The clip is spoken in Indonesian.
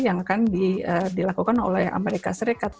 yang akan dilakukan oleh amerika serikat